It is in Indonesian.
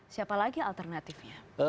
siapa lagi alternatifnya